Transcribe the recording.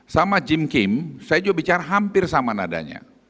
sama gym kim saya juga bicara hampir sama nadanya